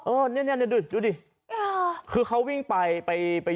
อ๋อเนี้ยเนี้ยดูดิอ่าคือเขาวิ่งไปไปไปยืน